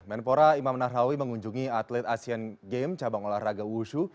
menpora imam nahrawi mengunjungi atlet asian games cabang olahraga wusu